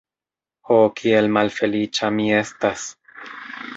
Ho kiel malfeliĉa mi estas!